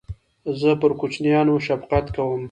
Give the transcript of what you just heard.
زه پر کوچنیانو شفقت کوم.